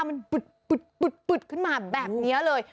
มันปึ๊ดขึ้นมาแบบนี้เลย